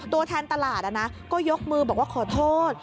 ตัวแทนตลาดก็ยกมือบอกว่าขอโทษ